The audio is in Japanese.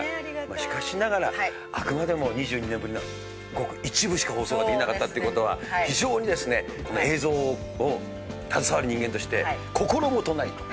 しかしながらあくまでも２２年ぶりのごく一部しか放送ができなかったってことは非常にですね映像携わる人間として心もとないと。